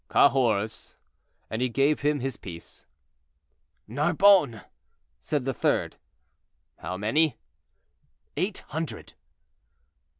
"Cahors;" and he gave him his piece. "Narbonne," said the third. "How many?" "Eight hundred."